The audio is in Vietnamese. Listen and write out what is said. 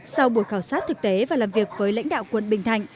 sau buổi khảo sát thực tế và làm việc với lãnh đạo quận bình thạnh